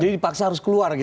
jadi dipaksa harus keluar gitu